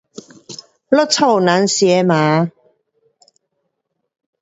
我家人吃饭。